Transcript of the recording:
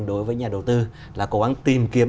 đối với nhà đầu tư là cố gắng tìm kiếm